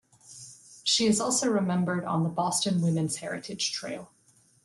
She is also remembered on the Boston Women's Heritage Trail.